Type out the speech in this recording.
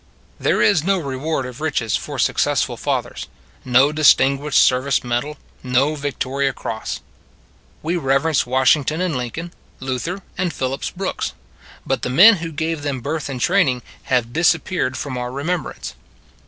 There is no reward of riches for suc cessful fathers; no distinguished service medal; no Victoria Cross. We reverence Washington and Lincoln, Luther and Phillips Brooks; but the men who gave them birth and training have disappeared from our remembrance.